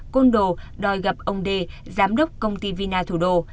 côn đồ đòi gặp ông đê giám đốc công ty vina thủ đô